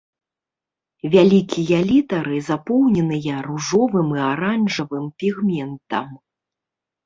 Вялікія літары запоўненыя ружовым і аранжавым пігментам.